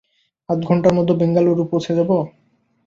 আধঘণ্টার মধ্যে বেঙ্গালুরু পৌছে যাব?